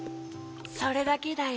・それだけだよ。